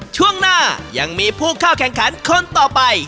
ช่วงหน้ายังมีผู้เข้าแข่งขันคนต่อไป